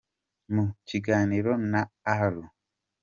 Mu kiganiro na Alu.